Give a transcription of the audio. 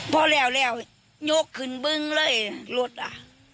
พอแล้วยกขึ้นบึงเลยรถอ่ะ